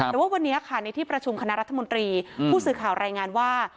แต่ว่าวันนี้ค่ะในที่ประชุมคณะรัฐมนตรีผู้สื่อข่าวรายงานว่า